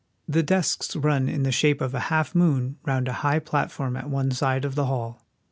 The desks run in the shape of a half moon round a high platform at one side of the hall.